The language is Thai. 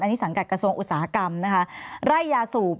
อันนี้สังกัดกระทรวงอุตสาหกรรมนะคะไร่ยาสูบ